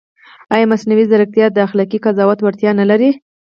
ایا مصنوعي ځیرکتیا د اخلاقي قضاوت وړتیا نه لري؟